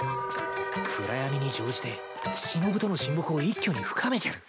暗闇に乗じてしのぶとの親睦を一挙に深めちゃる